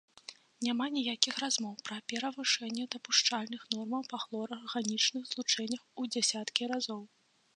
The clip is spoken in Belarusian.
Няма ніякіх размоў пра перавышэнне дапушчальных нормаў па хлорарганічных злучэннях у дзясяткі разоў.